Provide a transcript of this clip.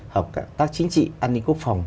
hợp tác chính trị an ninh quốc phòng